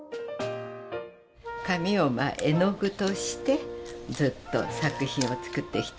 紙を絵の具としてずっと作品を作ってきた。